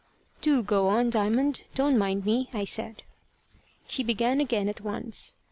"Do go on, Diamond. Don't mind me," I said. He began again at once.